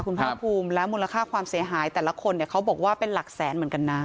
คุณภาคภูมิและมูลค่าความเสียหายแต่ละคนเนี่ยเขาบอกว่าเป็นหลักแสนเหมือนกันนะ